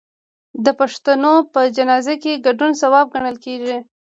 د پښتنو په جنازه کې ګډون ثواب ګڼل کیږي.